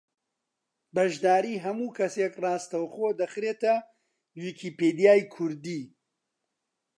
بەشداریی ھەموو کەسێک ڕاستەوخۆ دەخرێتە ویکیپیدیای کوردی